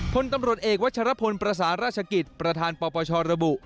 พลตำรวจเอกวัชรพลประสาราชกิจประธานปปชระบุ